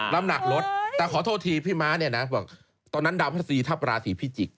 รำหนักลดแต่ขอโทษทีพี่มาะเนี่ยตอนนั้นดาวน์พระศรีทับราศีพิจิกษ์